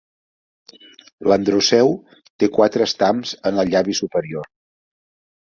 L'androceu té quatre estams en el llavi superior.